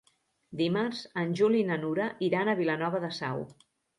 Dimarts en Juli i na Nura iran a Vilanova de Sau.